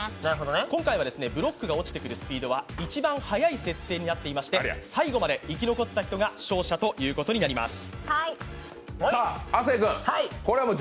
今回はブロックが落ちてくるスピードは一番速い設定になっていまして最後まで生き残った人が勝者ということになります。